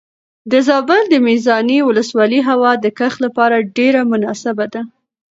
د زابل د میزانې ولسوالۍ هوا د کښت لپاره ډېره مناسبه ده.